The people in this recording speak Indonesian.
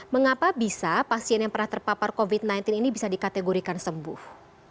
mengapa bisa pasien yang pernah terpapar covid sembilan belas ini bisa dikategorikan sembuh